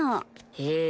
へえ。